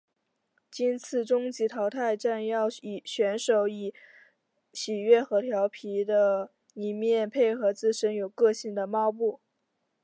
今次终极淘汰战要选手以喜悦和佻皮的一面配合自身有个性的猫步。